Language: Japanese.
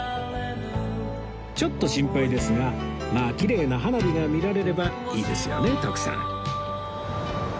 ちょっと心配ですがまあキレイな花火が見られればいいですよね徳さん